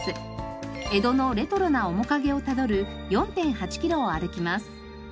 江戸のレトロな面影をたどる４．８キロを歩きます。